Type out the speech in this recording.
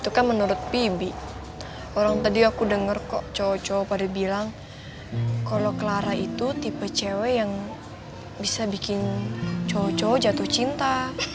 itu kan menurut bibi orang tadi aku denger kok cowok cowok pada bilang kalau clara itu tipe cewek yang bisa bikin cowok cowok jatuh cinta